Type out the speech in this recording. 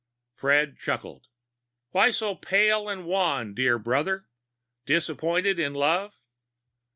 Fred chuckled. "Why so pale and wan, dear brother? Disappointed in love?"